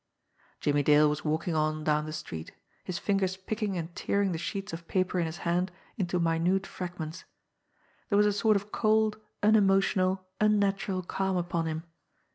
Jimmie Dale was walking on down the street, his fingers picking and tearing the sheets of paper in his hand into minute fragments. There was a sort of cold, unemotional, unnatural calm upon him.